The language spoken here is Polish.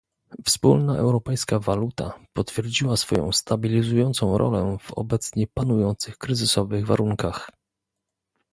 Wspólna europejska waluta potwierdziła swoją stabilizującą rolę w obecnie panujących kryzysowych warunkach